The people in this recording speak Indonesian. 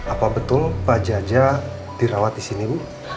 apa betul pak jaja dirawat di sini